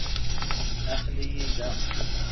Aqel-iyi da.